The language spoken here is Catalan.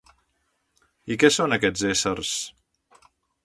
I què són aquests éssers?